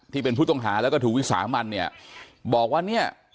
ที่เป็นผู้ต้องหาแล้วก็ถูกวิสามันเนี่ยบอกว่าเนี่ย